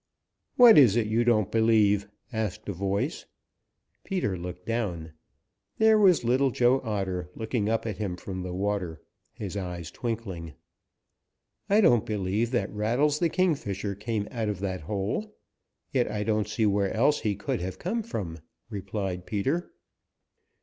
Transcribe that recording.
"What is it you don't believe?" asked a voice. Peter looked down. There was Little Joe Otter looking up at him from the water, his eyes twinkling. "I don't believe that Rattles the Kingfisher came out of that hole, yet I don't see where else he could have come from," replied Peter.